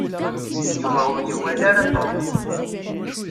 Yuba ur iwala ara Mary.